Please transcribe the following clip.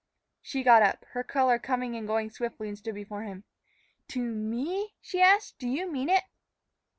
She got up, her color coming and going swiftly, and stood before him. "To me?" she asked. "Do you mean it?"